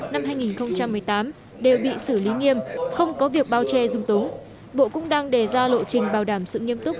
năm hai nghìn một mươi tám đều bị xử lý nghiêm không có việc bao che dung túng bộ cũng đang đề ra lộ trình bảo đảm sự nghiêm túc